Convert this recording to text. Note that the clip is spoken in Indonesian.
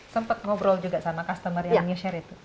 sempat ngobrol juga sama customer yang nge share itu